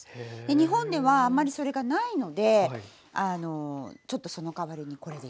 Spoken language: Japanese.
日本ではあまりそれがないのでちょっとその代わりにこれで。